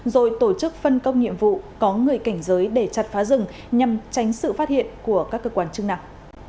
rồi tổ chức phân công nhiệm vụ có người cảnh giới để chặt phá rừng nhằm tránh sự phát hiện của các cơ quan chức năng